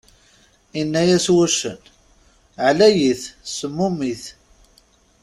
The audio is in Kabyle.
Inna-yas wuccen: ɛlayit, semmumit!